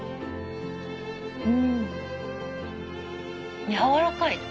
うんやわらかい。